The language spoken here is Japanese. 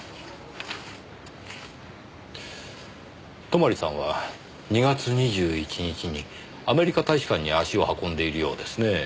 泊さんは２月２１日にアメリカ大使館に足を運んでいるようですねぇ。